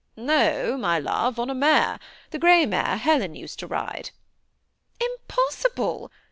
^ No, my love, on a mare ; the gray mare Helen used to ride." ^Impossible!